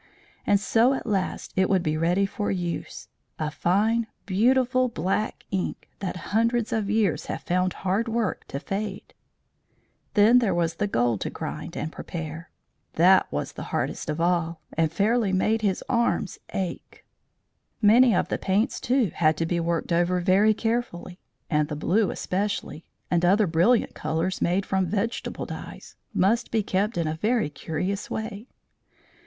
And so at last it would be ready for use; a fine, beautiful black ink that hundreds of years have found hard work to fade. [Illustration: "Dreaming of all the beautiful things he meant to paint"] Then there was the gold to grind and prepare; that was the hardest of all, and fairly made his arms ache. Many of the paints, too, had to be worked over very carefully; and the blue especially, and other brilliant colours made from vegetable dyes, must be kept in a very curious way.